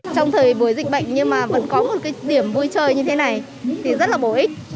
trong thời buổi dịch bệnh nhưng mà vẫn có một cái điểm vui chơi như thế này thì rất là bổ ích